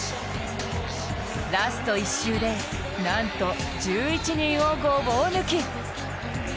ラスト１周でなんと１１人をごぼう抜き。